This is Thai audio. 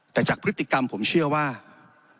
แต่จากพฤติกรรมผมเชื่อว่าไม่เป็นเช่นนั้นครับท่าน